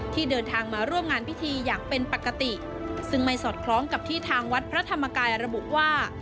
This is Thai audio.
ที่เดินทางมาร่วมงานพิธีอย่างเป็นปกติซึ่งไม่สอดคล้องกับที่ทางวัดพระธรรมกายระบุว่า